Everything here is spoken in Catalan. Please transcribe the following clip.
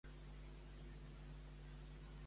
Què se li vol exigir al govern d'Espanya?